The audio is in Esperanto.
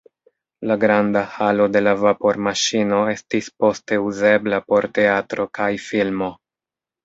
La granda halo de la vapormaŝino estis poste uzebla por teatro kaj filmo.